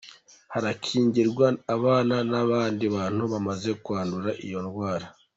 Harakingirwa abana n’abandi bantu bamaze kwandura iyo ndwara.